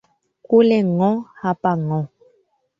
Kule ng'o hapa ng'o.